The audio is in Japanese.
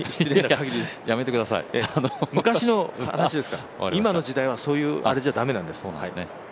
限り昔の話ですから、今の時代はそういうあれじゃ駄目なんです。